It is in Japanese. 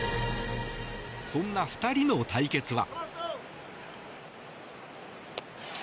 そんな２人の対決は。